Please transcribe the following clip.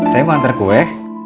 saya mau antar kue